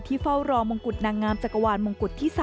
เฝ้ารองงกุฎนางงามจักรวาลมงกุฎที่๓